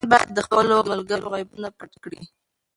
ماشومان باید د خپلو ملګرو عیبونه پټ کړي.